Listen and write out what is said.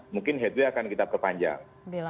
mungkin headway akan kita perpanjang